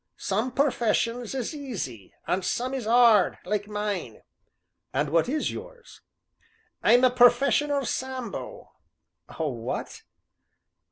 some perfessions is easy, and some is 'ard like mine." "And what is yours?" "I'm a perfessional Sambo." "A what?"